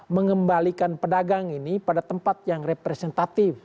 mengembalikan pedagang ini pada tempat yang representatif